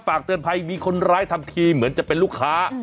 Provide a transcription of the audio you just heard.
ฝากเตือนภัยมีคนร้ายทำทีเหมือนจะเป็นลูกค้า